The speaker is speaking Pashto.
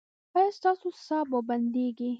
ایا ستاسو ساه به بندیږي؟